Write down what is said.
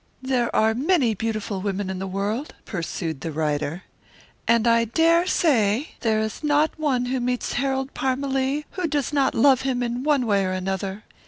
"There are many beautiful women in the world." pursued the writer, "and I dare say there is not one who meets Harold Parmalee who does not love him in one way or another.